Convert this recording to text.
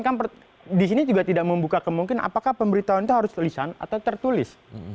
kan di sini juga tidak membuka kemungkinan apakah pemberitahuan itu harus tulisan atau tertulis